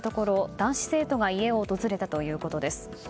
男子生徒が家を訪れたということです。